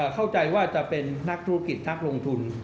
เข้าใจว่าจะเป็นนักธุรกิจนักลงทุน